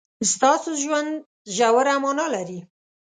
ستاسو ژوند ژوره مانا لري.